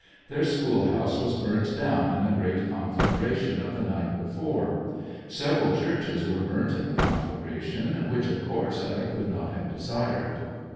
Their school house was burnt down in the great conflagration of the night before ; several churches were burnt in the conflagration, which, of course, I could not have desired.